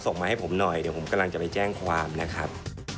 ส่งมาให้ผมหน่อยเดี๋ยวผมกำลังจะไปแจ้งความนะครับ